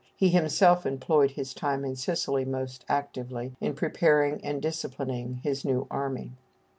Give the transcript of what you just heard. He himself employed his time in Sicily most actively, in preparing and disciplining his new army.